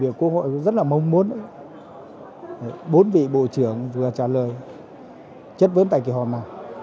tôi muốn bốn vị bộ trưởng vừa trả lời chất vấn đại biểu hỏi này